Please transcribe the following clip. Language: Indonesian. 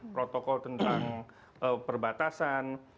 protokol tentang perbatasan